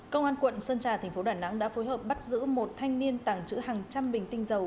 công an quận sơn trà tp đà nẵng đã phối hợp bắt giữ một thanh niên tẳng chữ hàng trăm bình tinh dầu